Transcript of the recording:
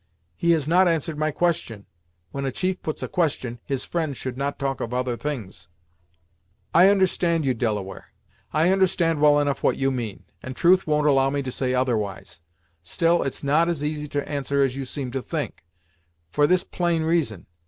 He has not answered my question; when a chief puts a question, his friend should not talk of other things." "I understand you, Delaware; I understand well enough what you mean, and truth won't allow me to say otherwise. Still it's not as easy to answer as you seem to think, for this plain reason.